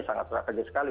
sangat strategis sekali